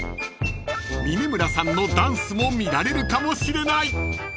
［峯村さんのダンスも見られるかもしれない］